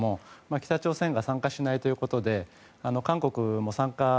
北朝鮮が参加しないということで韓国も参加を。